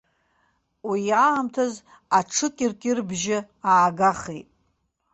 Уи аамҭаз аҽыкьыркьырбжьы аагахит.